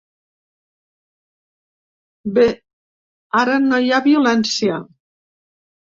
Bé, ara no hi ha violència.